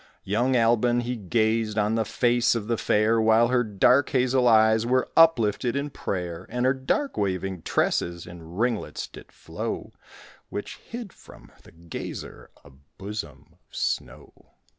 Young Albon, he gazed On the face of the fair While her dark hazel eyes Were uplifted in prayer; And her dark waving tresses In ringlets did flow Which hid from the gazer A bosom of snow.